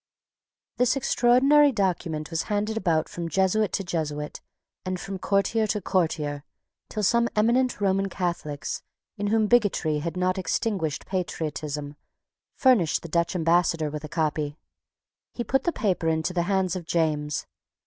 This extraordinary document was handed about from Jesuit to Jesuit, and from courtier to courtier, till some eminent Roman Catholics, in whom bigotry had not extinguished patriotism, furnished the Dutch Ambassador with a copy. He put the paper into the hands of James.